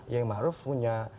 yai maruf punya